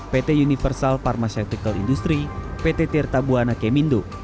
pt universal pharmaceutical industry pt tirtabuana kemindo